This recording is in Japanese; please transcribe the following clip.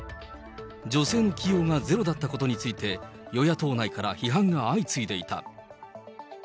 女性の起用がゼロだったことについて、与野党内から批判が相次いでいた。